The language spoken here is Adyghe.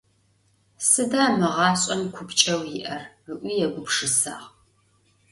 Сыда мы гъашӀэм купкӀэу иӀэр?- ыӀуи егупшысагъ.